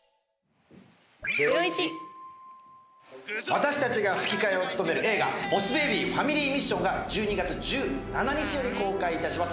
私たちが吹き替えを務める映画『ボス・ベイビーファミリー・ミッション』が１２月１７日より公開いたします。